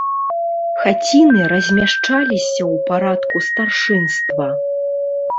Хаціны размяшчаліся ў парадку старшынства.